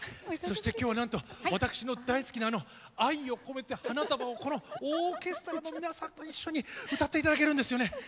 そして今日はなんと私の大好きな「愛をこめて花束を」をこのオーケストラの皆さんと一緒に歌って頂けるんですよね。